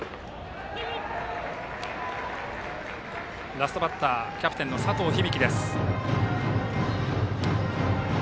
ラストバッター、キャプテンの佐藤響。